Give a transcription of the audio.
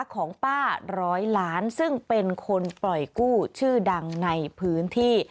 ของป้าร้อยล้านซึ่งเป็นคนปล่อยกู้ชื่อดังในพื้นที่